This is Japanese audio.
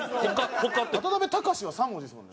「渡辺隆」は３文字ですもんね。